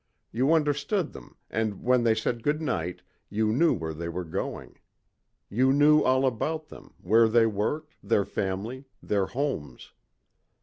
You understood them and when they said good night you knew where they were going. You knew all about them, where they worked, their family, their homes.